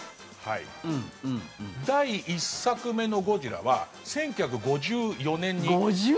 第１作目の「ゴジラ」は１９５４年に。